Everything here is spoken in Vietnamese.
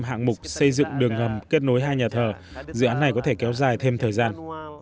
hạng mục xây dựng đường hầm kết nối hai nhà thờ dự án này có thể kéo dài thêm thời gian